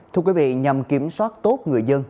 thưa quý vị nhằm kiểm soát tốt người dân